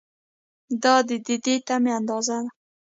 دا د دې تمې اندازه ده.